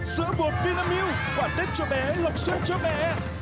sữa bột vinamil quả tết cho bé lọc xương cho bé